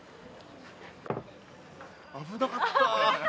危なかった。